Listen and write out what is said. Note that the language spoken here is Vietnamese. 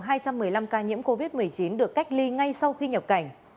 số ca nhiễm covid một mươi chín được cách ly ngay sau khi nhập cảnh